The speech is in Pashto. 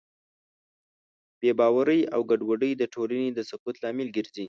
بېباورۍ او ګډوډۍ د ټولنې د سقوط لامل ګرځي.